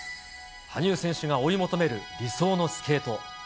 羽生選手が追い求める理想のスケート。